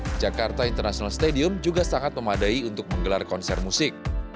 dengan atap akustik jakarta international stadium juga sangat memadai untuk menggelar konser musik